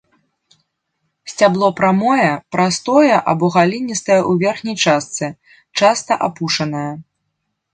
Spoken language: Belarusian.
Сцябло прамое, простае або галінастае ў верхняй частцы, часта апушанае.